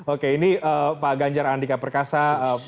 oke ini pak ganjar andika perkasa